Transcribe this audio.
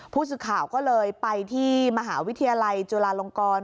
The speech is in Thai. ผู้สื่อข่าวก็เลยไปที่มหาวิทยาลัยจุฬาลงกร